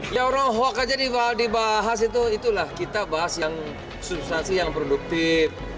ya orang hoax aja dibahas itu itulah kita bahas yang substansi yang produktif